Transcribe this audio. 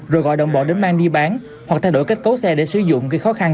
rồi gọi đồng bộ đến mang đi bán hoặc thay đổi cách cấu xe để sử dụng khi khó khăn